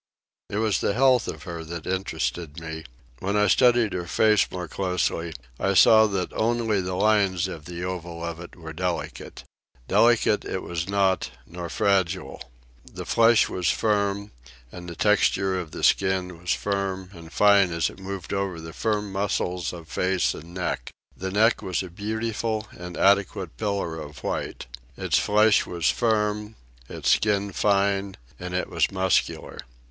It was the health of her that interested me. When I studied her face more closely I saw that only the lines of the oval of it were delicate. Delicate it was not, nor fragile. The flesh was firm, and the texture of the skin was firm and fine as it moved over the firm muscles of face and neck. The neck was a beautiful and adequate pillar of white. Its flesh was firm, its skin fine, and it was muscular.